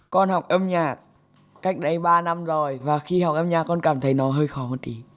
con học âm nhạc cách đây ba năm rồi và khi học âm nhạc con cảm thấy nó hơi khó hơn một tí